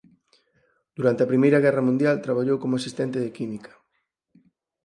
Durante a primeira guerra mundial traballou como asistente de química.